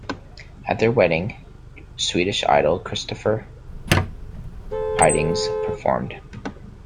At their wedding, Swedish-idol Christoffer Hiding performed.